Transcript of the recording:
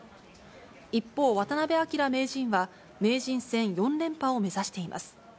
一方、渡辺明名人は、名人戦４連覇を目指しています。